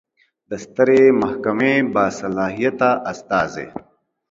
د سترې محکمې باصلاحیته استازی